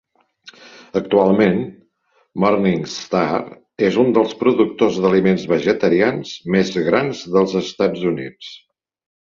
Actualment, Morningstar és un dels productors d'aliments vegetarians més gran dels Estats Units.